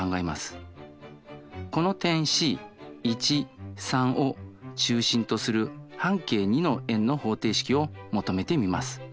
この点Ｃを中心とする半径２の円の方程式を求めてみます。